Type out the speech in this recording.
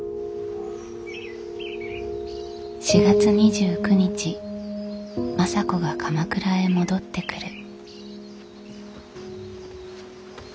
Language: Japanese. ４月２９日政子が鎌倉へ戻ってくる。